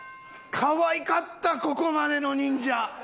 かわいかったここまでのニンジャ。